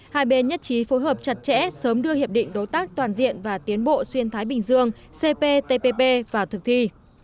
hai bên nhất trí phối hợp chặt chẽ sớm đưa hiệp định đối tác toàn diện và tiến bộ xuyên thái bình dương cptpp vào thực thi